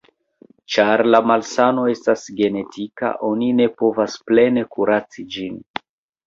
Ĉar la malsano estas genetika, oni ne povas plene kuraci ĝin.